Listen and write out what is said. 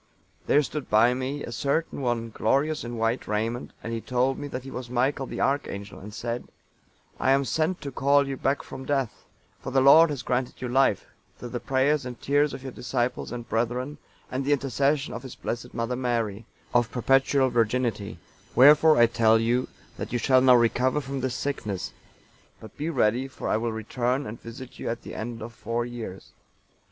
There stood by me a certain one, glorious in white raiment, and he told me that he was Michael, the Archangel, and said, 'I am sent to call you back from death: for the Lord has granted you life, through the prayers and tears of your disciples and brethren, and the intercession of His Blessed Mother Mary, of perpetual virginity; wherefore I tell you, that you shall now recover from this sickness; but be ready, for I will return and visit you at the end of four years.